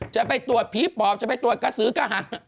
จะไปตรวจผีปอบจะไปตรวจกระสือกระหา